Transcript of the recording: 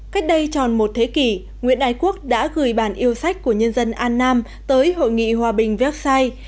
cách đây tròn một thế kỷ nguyễn ái quốc đã gửi bản yêu sách của nhân dân an nam tới hội nghị hòa bình versai